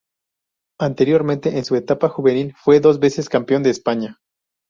Anteriormente, en su etapa juvenil fue dos veces campeón de España.